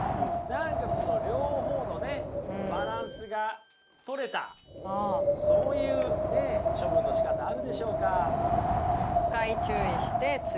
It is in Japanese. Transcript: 何かこの両方のねバランスがとれたそういうね処分のしかたあるでしょうか。